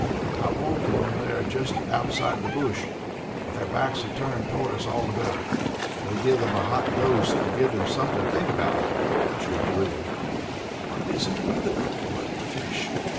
"I want them when they are just outside the bush. If their backs are turned toward us, all the better. We'll give them a hot dose that will give them something to think about," jeered Willie. "Well, isn't he the cold blooded fish?"